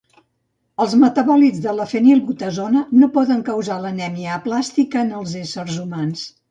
Els metabòlits de la fenilbutazona no poden causar l'anèmia aplàstica en els éssers humans.